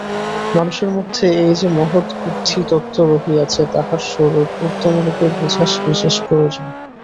মানুষের মধ্যে এই যে মহৎ বুদ্ধিতত্ত্ব রহিয়াছে, তাহার স্বরূপ উত্তমরূপে বুঝা বিশেষ প্রয়োজন।